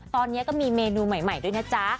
ตอนนี้ก็มีเมนูใหม่ด้วยนะจ๊ะ